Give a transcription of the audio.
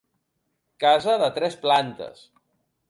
Casa de tres plantes.